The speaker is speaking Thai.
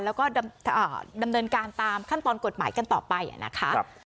แล้วก็ดำเนินการตามขั้นตอนกฎหมายกันต่อไปนะคะ